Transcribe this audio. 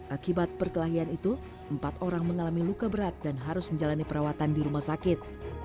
akibat perkelahian itu empat orang mengalami luka berat dan harus menjalani perawatan di rumah sakit